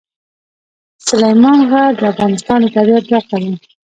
سلیمان غر د افغانستان د طبیعت برخه ده.